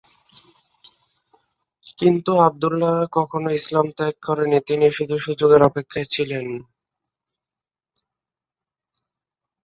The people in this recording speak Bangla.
কিন্তু আবদুল্লাহ কখনো ইসলাম ত্যাগ করেননি, তিনি শুধু সুযোগের অপেক্ষায় ছিলেন।